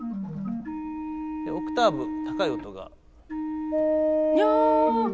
オクターブ高い音が。やぁ！